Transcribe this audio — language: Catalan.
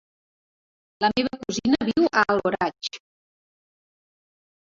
La meva cosina viu a Alboraig.